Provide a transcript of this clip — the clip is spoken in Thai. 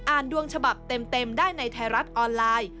ดวงฉบับเต็มได้ในไทยรัฐออนไลน์